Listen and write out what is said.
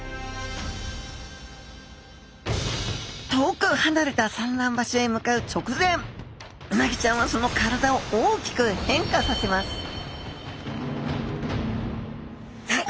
遠くはなれた産卵場所へ向かう直前うなぎちゃんはその体を大きく変化させますさあ